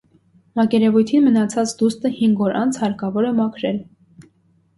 Մակերևույթին մնացած դուստը հինգ օր անց հարկավոր է մաքրել։